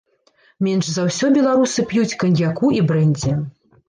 Менш за ўсё беларусы п'юць каньяку і брэндзі.